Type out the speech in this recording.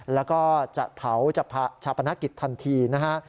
แล้วก็จะเผาจะชาปนกิจทันทีนะฮะ